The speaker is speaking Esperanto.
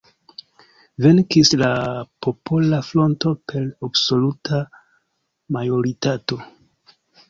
Venkis la Popola Fronto per absoluta majoritato.